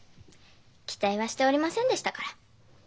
期待はしておりませんでしたから。